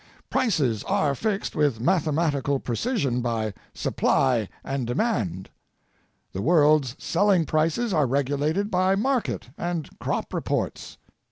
Prices are fixed with mathematical precision by supply and demand. The world's selling prices are regulated by market and crop reports.